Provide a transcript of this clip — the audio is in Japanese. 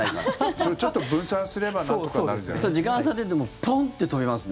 それ、ちょっと分散すればなんとかなるんじゃないですか？